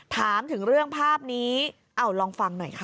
ถามถึงเรื่องภาพนี้เอาลองฟังหน่อยค่ะ